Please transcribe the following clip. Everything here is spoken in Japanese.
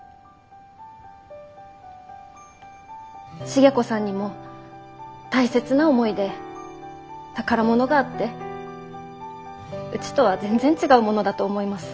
重子さんにも大切な思い出宝物があってうちとは全然違うものだと思います。